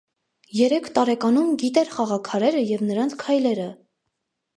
Երեք տարեկանում գիտեր խաղաքարերը և նրանց քայլերը։